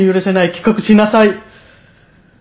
帰国しなさい。